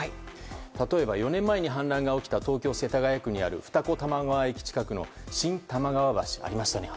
例えば、４年前に氾濫が起きた東京・世田谷区にある二子玉川駅近くの新多摩川橋がありました。